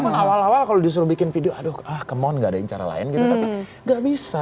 emang awal awal kalau disuruh bikin video aduh ah kemon gak ada yang cara lain gitu tapi gak bisa